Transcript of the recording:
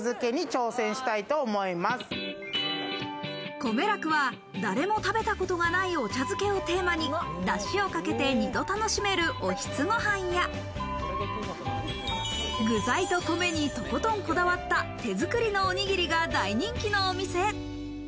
こめらくは誰も食べたことがないお茶漬けをテーマに、だしをかけて二度楽しめるおひつご飯や、具材と米にとことんこだわった手作りのおにぎりが大人気のお店。